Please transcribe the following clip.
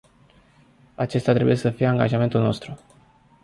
Acesta trebuie să fie angajamentul nostru.